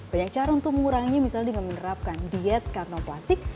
banyak cara untuk mengurangi misalnya dengan menerapkan diet kantong plastik